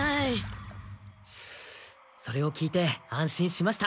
それを聞いて安心しました。